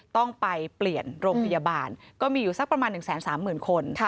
ต้องไปเปลี่ยนโรงพยาบาลก็มีอยู่สักประมาณ๑๓๐๐๐คน